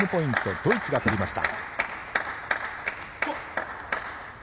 ドイツが取りました。